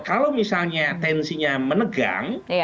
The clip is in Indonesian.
kalau misalnya tensinya menegang